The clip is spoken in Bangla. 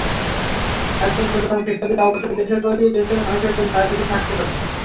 সুতরাং একজন শিক্ষার্থীর অবশ্যই দেশের প্রতি, দেশের মানুষের প্রতি দায়বদ্ধতা থাকতে হবে।